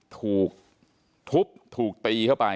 ถูกทุบถูกตีเข้าไป